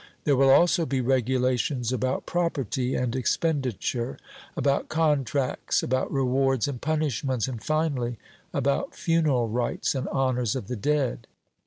There will also be regulations about property and expenditure, about contracts, about rewards and punishments, and finally about funeral rites and honours of the dead.